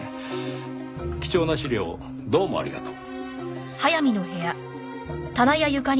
貴重な資料をどうもありがとう。